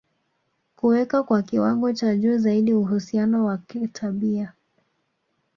kuweka kwa kiwango cha juu zaidi uhusiano wa kitabia